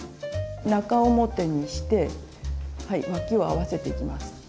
中表にしてわきを合わせていきます。